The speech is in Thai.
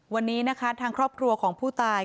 วันนี้นะคะทางครอบครัวของผู้ตาย